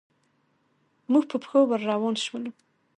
موږ په پښو ور روان شولو.